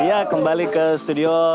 iya kembali ke studio